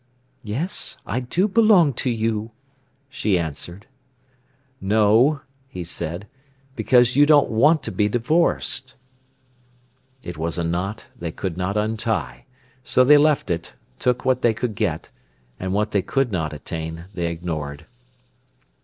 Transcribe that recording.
"Yes, I do belong to you," she answered. "No," he said; "because you don't want to be divorced." It was a knot they could not untie, so they left it, took what they could get, and what they could not attain they ignored.